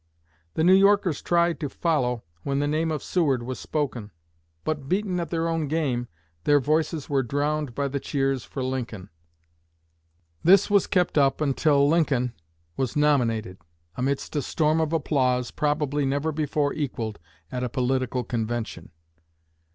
The New Yorkers tried to follow when the name of Seward was spoken, but, beaten at their own game, their voices were drowned by the cheers for Lincoln. This was kept up until Lincoln was nominated, amidst a storm of applause probably never before equalled at a political convention."